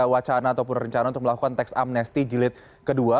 wacana ataupun rencana untuk melakukan teks amnesti jilid kedua